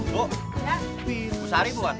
bu bu sari buat